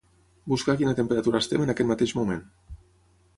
Buscar a quina temperatura estem en aquest mateix moment.